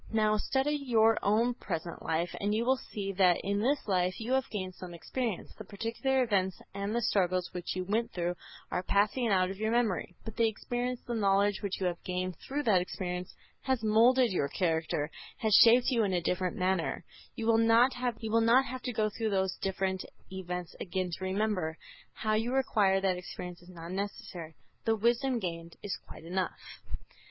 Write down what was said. Now, study your own present life and you will see that in this life you have gained some experience. The particular events and the struggles which you went through are passing out of your memory, but the experience, the knowledge which you have gained through that experience, has moulded your character, has shaped you in a different manner. You will not have to go through those different events again to remember; how you acquired that experience is not necessary; the wisdom gained is quite enough.